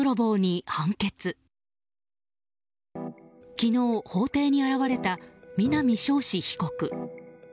昨日、法廷に現れた南将志被告。